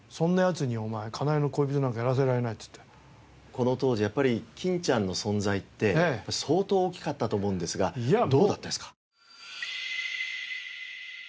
この当時やっぱり欽ちゃんの存在って相当大きかったと思うんですがどうだったですか？